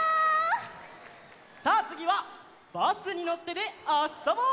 さあつぎは「バスにのって」であそぼう！